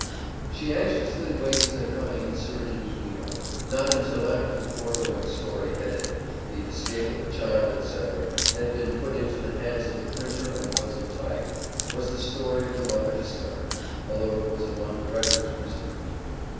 She anxiously waits their coming in Syracuse, N.Y. Not until after the foregoing story headed, the "Escape of a Child," etc., had been put into the hands of the printer and was in type, was the story of the mother discovered, although it was among the records preserved.